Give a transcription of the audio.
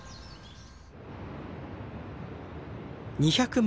２００万